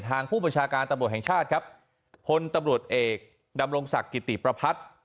ทางผู้บัญชาการตำรวจแห่งชาติครับพลตำรวจเอกดำรงศักดิ์กิติประพัฒน์